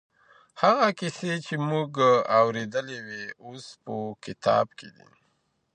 هغه کيسې چي موږ اورېدلې وې اوس په کتاب کي دي.